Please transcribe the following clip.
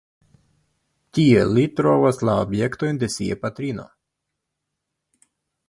Tie li trovas la objektojn de sia patrino.